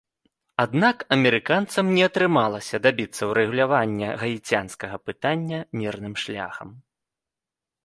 Аднак амерыканцам не атрымалася дабіцца ўрэгулявання гаіцянскага пытання мірным шляхам.